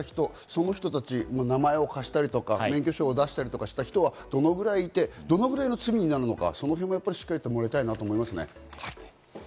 その人の名前を貸したりとか免許証を出したりした人はどのくらいて、どのくらいの罪になるのか、その辺もしっかりしてもらいたいなと思いますね。